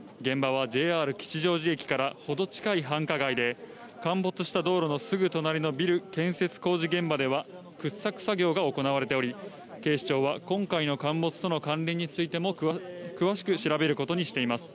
現場はＪＲ吉祥寺駅から程近い繁華街で、陥没した道路のすぐ隣のビル建設工事現場では掘削作業が行われており、警視庁は今回の陥没との関連についても詳しく調べることにしています。